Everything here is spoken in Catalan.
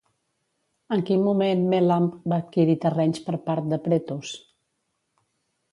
En quin moment Melamp va adquirir terrenys per part de Pretos?